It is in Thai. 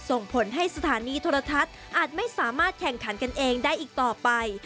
ส่งผลให้สถานีโทรทัศน์อาจไม่สามารถแข่งขันกันเองได้อีกต่อไป